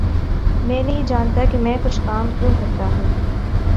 میں نہیں جانتا کہ میں کچھ کام کیوں کرتا ہوں